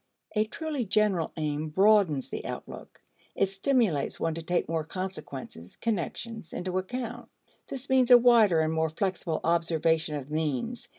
A truly general aim broadens the outlook; it stimulates one to take more consequences (connections) into account. This means a wider and more flexible observation of means.